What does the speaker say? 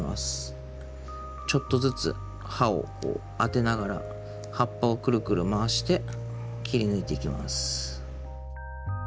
ちょっとずつ刃を当てながら葉っぱをくるくる回して切り抜いていきます。